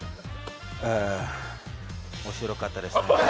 面白かったですね。